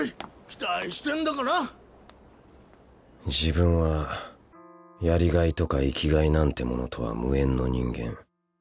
期待してんだから自分はやりがいとか生きがいなんてものとは無縁の人間。